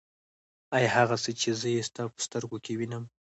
آيا هغه څه چې زه يې ستا په سترګو کې وينم.